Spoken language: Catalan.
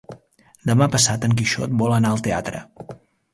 Demà passat en Quixot vol anar al teatre.